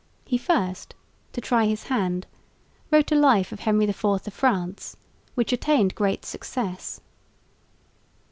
He first, to try his hand, wrote a life of Henry IV of France, which attained great success.